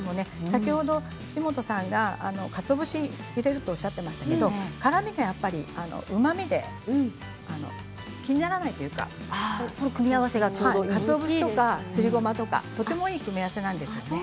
先ほど藤本さんがかつお節を入れるとおっしゃっていましたが辛みが、うまみで気にならないというかかつお節とか、すりごまとかとてもいい組み合わせなんですね。